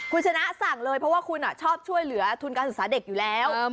คุณชนะสั่งเลยเพราะว่าคุณชอบช่วยเหลือทุนการศึกษาเด็กอยู่แล้ว